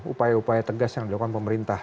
upaya upaya tegas yang dilakukan pemerintah